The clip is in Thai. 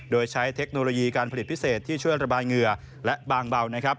โดยใช้เทคโนโลยีการผลิตพิเศษที่ช่วยระบายเหงื่อและบางเบานะครับ